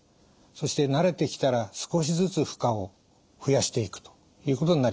そして慣れてきたら少しずつ負荷を増やしていくということになります。